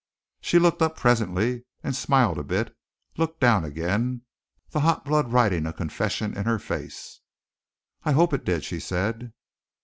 She looked up presently, and smiled a bit; looked down again, the hot blood writing a confession in her face. "I hope it did," she said.